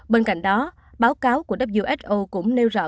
bên cạnh đó báo cáo của who cũng nêu rõ